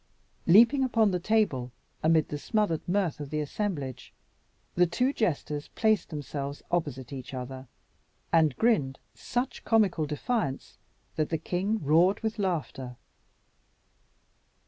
Leaping upon the table, amid the smothered mirth of the assemblage, the two jesters placed themselves opposite each other, and grinned such comical defiance that the king roared with laughter.